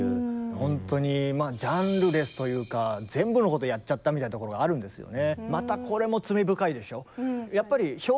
ほんとにまあジャンルレスというか全部のことやっちゃったみたいなところがあるんですよね。